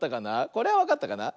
これはわかったかな？